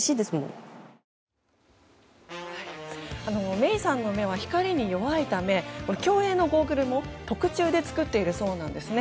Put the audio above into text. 愛依さんの目は光に弱いため競泳のゴーグルも特注で作っているそうなんですね。